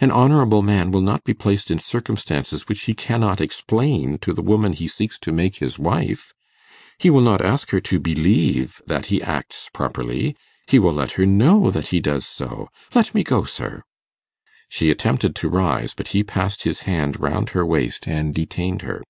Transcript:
An honourable man will not be placed in circumstances which he cannot explain to the woman he seeks to make his wife. He will not ask her to believe that he acts properly; he will let her know that he does so. Let me go, sir.' She attempted to rise, but he passed his hand round her waist and detained her.